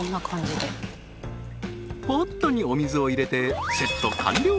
ポットにお水を入れてセット完了